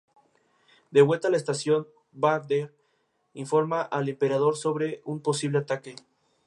Con el club azulgrana debutó en Primera División y fue campeón de Cataluña.